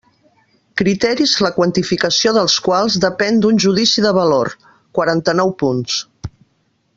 Criteris la quantificació dels quals depèn d'un judici de valor: quaranta-nou punts.